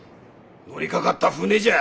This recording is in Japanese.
乗りかかった舟じゃ。